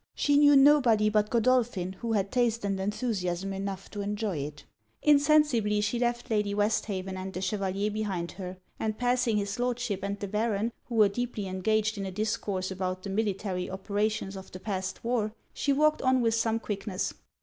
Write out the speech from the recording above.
She knew nobody but Godolphin who had taste and enthusiasm enough to enjoy it. Insensibly she left Lady Westhaven and the Chevalier behind her; and passing his Lordship and the Baron, who were deeply engaged in a discourse about the military operations of the past war, she walked on with some quickness.